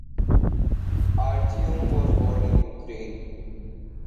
Artiom was born in Ukraine.